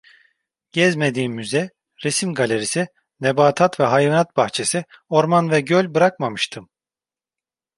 Gezmediğim müze, resim galerisi, nebatat ve hayvanat bahçesi, orman ve göl bırakmamıştım.